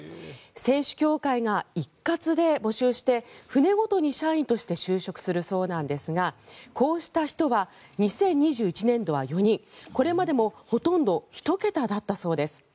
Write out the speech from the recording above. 船主協会が一括で募集して船ごとに社員として就職するそうなんですがこうした人は２０２１年度は４人これまでもほとんど１桁だったそうです。